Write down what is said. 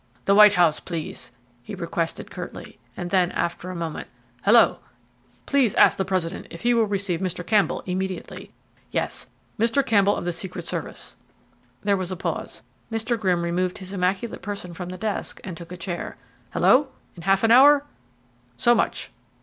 "The White House, please," he requested curtly, and then, after a moment: "Hello! Please ask the president if he will receive Mr. Campbell immediately. Yes, Mr. Campbell of the Secret Service." There was a pause. Mr. Grimm removed his immaculate person from the desk, and took a chair. "Hello! In half an hour? So much!"